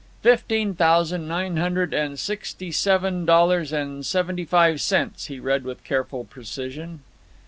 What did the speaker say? "Fifteen thousand nine hundred and sixty seven dollars and seventy five cents," he read with careful precision.